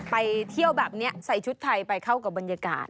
ไปเที่ยวแบบนี้ใส่ชุดไทยไปเข้ากับบรรยากาศ